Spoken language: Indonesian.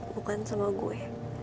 bukan sama gue